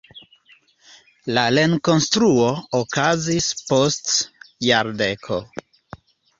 La rekonstruo okazis post jardeko.